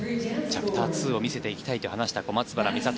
チャプター２を見せていきたいと話した小松原美里。